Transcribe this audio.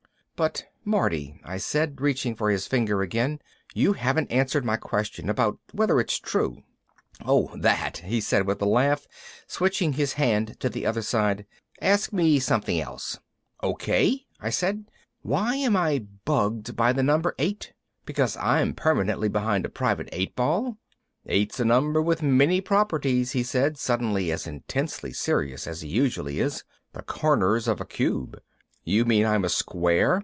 "But Marty," I said, reaching for his finger again, "you haven't answered my question. About whether it's true." "Oh that!" he said with a laugh, switching his hand to the other side. "Ask me something else." "Okay," I said, "why am I bugged on the number eight? Because I'm permanently behind a private 8 ball?" "Eight's a number with many properties," he said, suddenly as intently serious as he usually is. "The corners of a cube." "You mean I'm a square?"